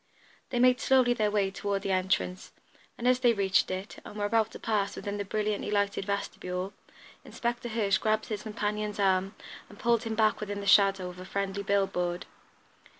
They made slowly their way toward the entrance, and as they reached it, and were about to pass within the brilliantly lighted vestibule, Inspector Hirsch grasped his companion's arm and pulled him back within the shadow of a friendly bill board.